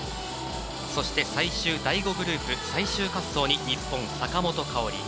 そして、最終第５グループ最終滑走に日本、坂本花織。